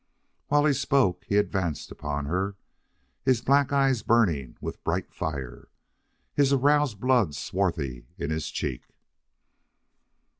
While he spoke he advanced upon her, his black eyes burning with bright fire, his aroused blood swarthy in his cheek.